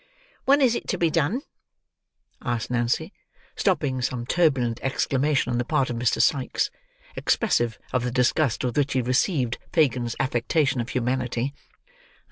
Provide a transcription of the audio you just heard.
"When is it to be done?" asked Nancy, stopping some turbulent exclamation on the part of Mr. Sikes, expressive of the disgust with which he received Fagin's affectation of humanity.